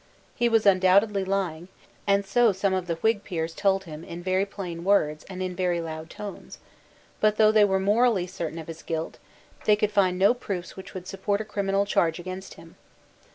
He was undoubtedly lying; and so some of the Whig peers told him in very plain words and in very loud tones: but, though they were morally certain of his guilt, they could find no proofs which would support a criminal charge against him.